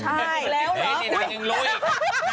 นี่นางยังรู้อีก